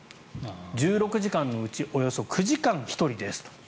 １６時間のうちおよそ９時間１人ですと。